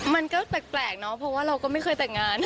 มันก็แปลกเนาะเพราะว่าเราก็ไม่เคยแต่งงาน